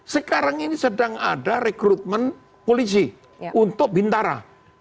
sekarang ini sedang ada rekrutmen polisi untuk bintara